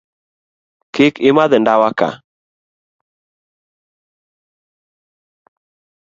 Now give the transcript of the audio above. Kik imadh ndawa ka